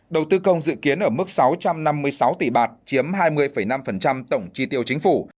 đầu tư công dự kiến ở mức sáu trăm năm mươi sáu tỷ bạt chiếm hai mươi năm tổng chi tiêu chính phủ